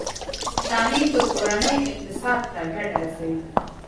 تعلیم د کورنۍ اقتصاد ته ګټه رسوي۔